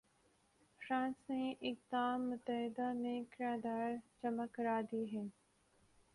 France نے اقدام متحدہ میں قرارداد جمع کرا دی ہے۔